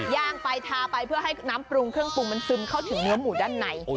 ย่างไปทาไปเพื่อให้น้ำปรุงเครื่องปรุงมันซึมเข้าถึงเนื้อหมูด้านใน